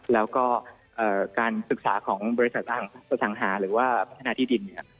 แล้วก็การศึกษาของบริษัทอสังหาหรือว่าพัฒนาที่ดินเนี่ย